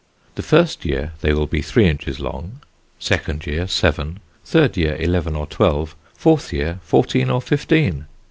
The first year they will be three inches long; second year, seven; third year, eleven or twelve; fourth year, fourteen or fifteen.